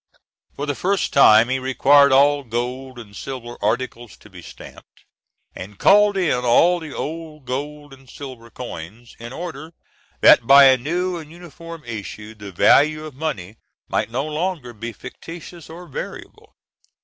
For the first time he required all gold and silver articles to be stamped, and called in all the old gold and silver coins, in order that by a new and uniform issue the value of money might no longer be fictitious or variable.